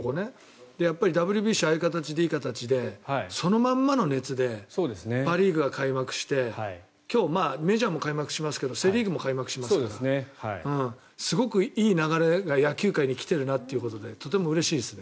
ＷＢＣああいう形で、いい形でそのまんまの熱でパ・リーグが開幕して今日、メジャーも開幕しますがセ・リーグも開幕しますからすごくいい流れが野球界に来てるなということでとてもうれしいですね。